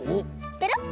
ペロッ！